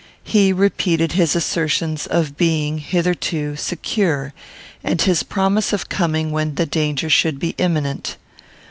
He repeated his assertions of being, hitherto, secure, and his promise of coming when the danger should be imminent.